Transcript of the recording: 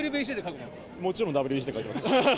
もちろんＷＢＣって書いてます。